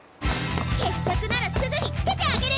決着ならすぐにつけてあげる！